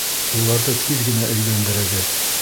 Уларҙы тиҙ генә өйләндерегеҙ